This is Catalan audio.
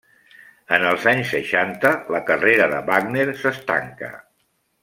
En els anys seixanta la carrera de Wagner s'estanca.